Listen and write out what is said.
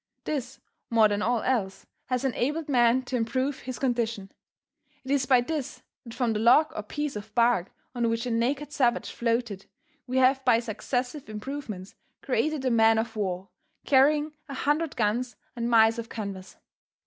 This, more than all else, has enabled man to improve his condition. It is by this that from the log or piece of bark on which a naked savage floated, we have by successive improvements created a man of war carrying a hundred guns and miles of canvas.